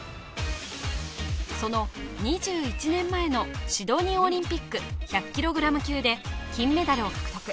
その２１年前のシドニーオリンピック１００ｋｇ級で金メダルを獲得